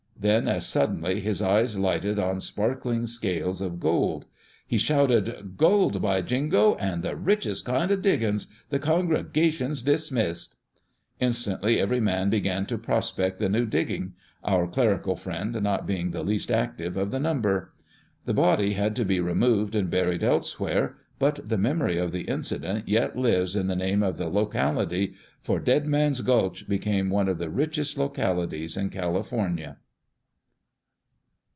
Then, as suddenly his eyes lighted on sparkling scales of gold, he shouted, "Gold, by jingo land the richest kind o' diggins' — the congregation's dismissed !" Instantly every man began to prospect the new digging, our clerical friend not being the least active of the number. The body had to be removed and buried else where, but the memory of the incident yet lives in the name of the locality, for " Dead Man's Gulch" became one of the richest localities in California.